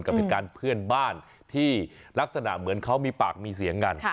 กับเหตุการณ์เพื่อนบ้านที่ลักษณะเหมือนเขามีปากมีเสียงกัน